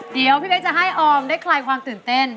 เดี๋ยวพี่เบ๊กจะให้ออมได้คลายความตื่นเต้น